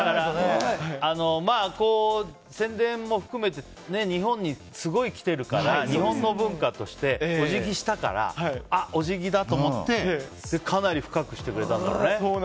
まあ、宣伝も含めて日本にすごい来てるから日本の文化としてお辞儀したからお辞儀だと思ってかなり深くしてくれたんだね。